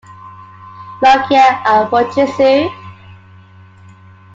Nokia and Fujitsu.